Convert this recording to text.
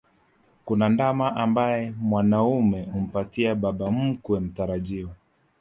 Kuna ndama ambaye mwanaume humpatia baba mkwe mtarajiwa